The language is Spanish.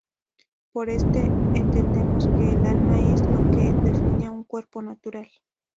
Por esto entendemos que el alma es lo que define a un cuerpo natural.